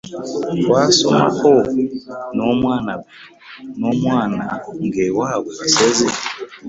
Twasomako n'omwana ng'ewaabwe basezi.